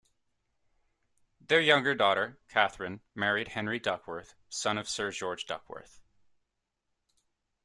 Their younger daughter, Katharine, married Henry Duckworth, son of Sir George Duckworth.